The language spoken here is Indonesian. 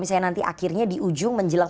misalnya nanti akhirnya di ujung menjelang